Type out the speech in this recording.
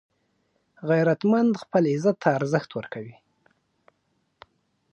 غیرتمند خپل عزت ته ارزښت ورکوي